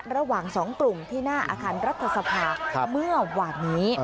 ระหว่าง๒กลุ่มที่หน้าอาคารรัฐสภาเมื่อวานนี้